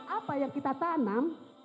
apa yang kita tanam